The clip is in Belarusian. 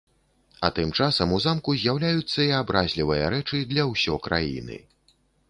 А тым часам у замку з'яўляюцца і абразлівыя рэчы для ўсё краіны.